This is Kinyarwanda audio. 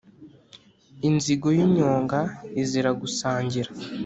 inzigo y’inyonga izira gusangira.